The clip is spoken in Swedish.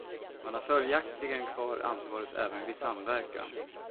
Man har följaktligen kvar ansvaret även vid samverkan.